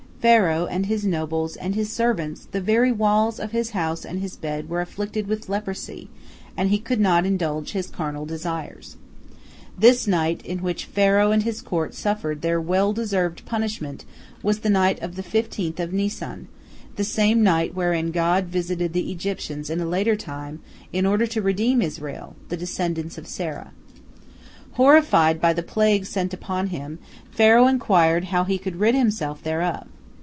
Pharaoh, and his nobles, and his servants, the very walls of his house and his bed were afflicted with leprosy, and he could not indulge his carnal desires. This night in which Pharaoh and his court suffered their well deserved punishment was the night of the fifteenth of Nisan, the same night wherein God visited the Egyptians in a later time in order to redeem Israel, the descendants of Sarah. Horrified by the plague sent upon him, Pharaoh inquired how he could rid himself thereof.